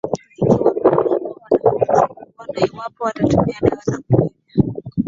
zikiwapima wanafunzi kuona iwapo wanatumia dawa za kulevya